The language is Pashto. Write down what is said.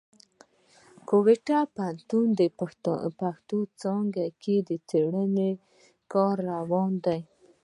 کوټه پوهنتون پښتو څانګه کښي د څېړني کار روان دی.